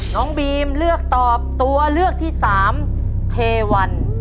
น้องบีมเลือกตอบตัวเลือกที่สามเทวัน